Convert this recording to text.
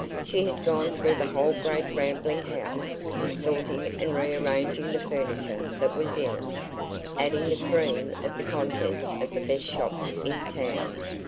She had gone through the whole great rambling house, sorting and rearranging the furniture that was in it, adding the cream of the contents of the best shops in town.